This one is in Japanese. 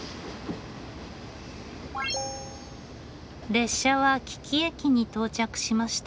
列車は木岐駅に到着しました。